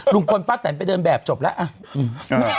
ลุงพลป้าแตนไปเดินแบบจบแล้ว